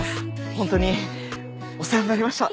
ほんとにお世話になりました。